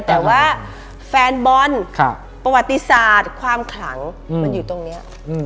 แต่ว่าแฟนบอลประวัติศาสตร์ความขลังมันอยู่ตรงนี้